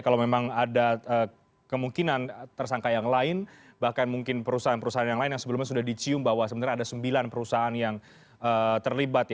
kalau memang ada kemungkinan tersangka yang lain bahkan mungkin perusahaan perusahaan yang lain yang sebelumnya sudah dicium bahwa sebenarnya ada sembilan perusahaan yang terlibat